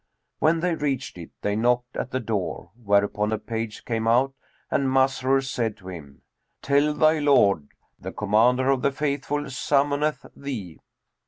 When they reached it, they knocked at the door, whereupon a page came out and Masrur said to him, "Tell thy lord, The Commander of the Faithful summoneth thee."